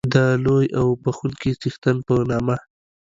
د لوی او بخښونکی څښتن په نامه